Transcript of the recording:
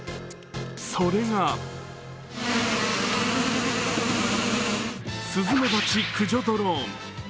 それがスズメバチ駆除ドローン。